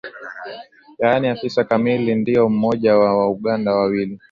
yaani afisa kamili kama mmoja wa Wauganda wawili